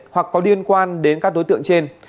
hoặc có liên quan đến các đối tượng trên